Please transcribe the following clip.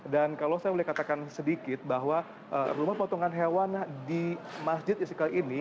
kalau saya boleh katakan sedikit bahwa rumah potongan hewan di masjid istiqlal ini